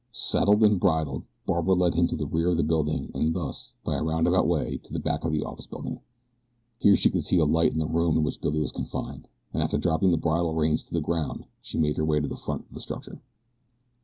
Saddled and bridled Barbara led him to the rear of the building and thus, by a roundabout way, to the back of the office building. Here she could see a light in the room in which Billy was confined, and after dropping the bridle reins to the ground she made her way to the front of the structure.